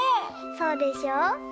そうでしょ。